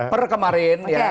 per kemarin ya